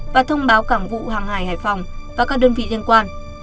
và thông báo cảng vụ hàng hải hải phòng và các đơn vị liên quan